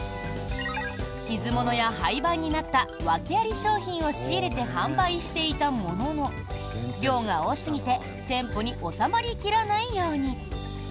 傷物や廃番になった訳あり商品を仕入れて販売していたものの量が多過ぎて店舗に収まり切らないように。